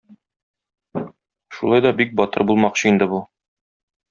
Шулай да бик батыр булмакчы инде бу.